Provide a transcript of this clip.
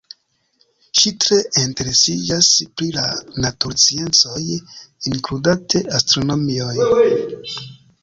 Ŝi tre interesiĝas pri la natursciencoj, inkludante astronomion.